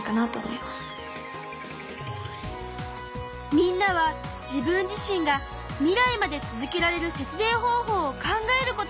みんなは自分自身が未来まで続けられる節電方法を考えることにしたの。